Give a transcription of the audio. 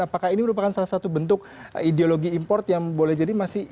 apakah ini merupakan salah satu bentuk ideologi import yang boleh jadi masih